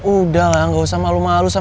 udah lah gak usah malu malu sama gue udah sini